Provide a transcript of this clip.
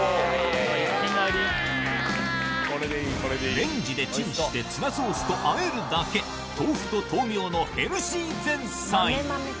レンジでチンしてツナソースとあえるだけ豆腐と豆苗のヘルシー前菜